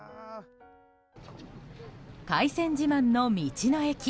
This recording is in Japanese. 海鮮自慢の道の駅。